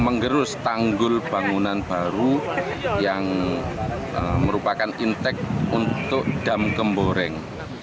menggerus tanggul bangunan baru yang merupakan intek untuk dam kemboreng